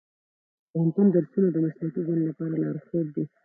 د پوهنتون درسونه د مسلکي ژوند لپاره لارښود دي.